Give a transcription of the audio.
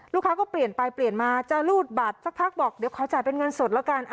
ลูกค้าก็เปลี่ยนไปเปลี่ยนมาจะรูดบัตรสักพักบอกเดี๋ยวขอจ่ายเป็นเงินสดแล้วกัน